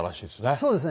そうですね。